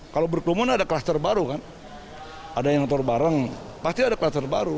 kalau berkelumun ada kluster baru kan ada yang terbareng pasti ada kluster baru